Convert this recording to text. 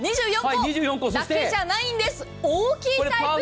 ２４個だけじゃないんです！